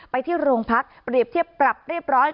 ไปที่โรงพักเปรียบเทียบปรับเรียบร้อย